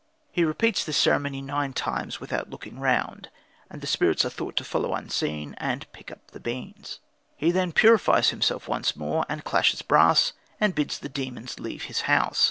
He repeats this ceremony nine times without looking round, and the spirits are thought to follow unseen and pick up the beans. Then he purifies himself once more and clashes brass, and bids the demons leave his house.